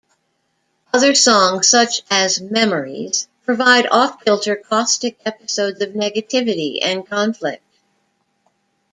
Other songs, such as "Memories", provide off-kilter, caustic episodes of negativity and conflict.